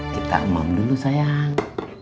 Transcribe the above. kita umam dulu sayang